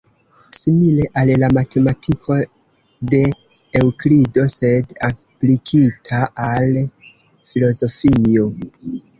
Simile al la matematiko de Eŭklido, sed aplikita al filozofio.